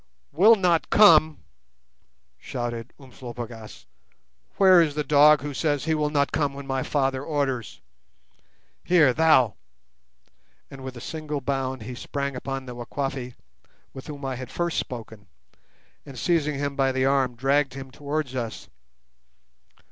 "Will not come!" shouted Umslopogaas; "where is the dog who says he will not come when my Father orders? Here, thou"—and with a single bound he sprang upon the Wakwafi with whom I had first spoken, and, seizing him by the arm, dragged him towards us.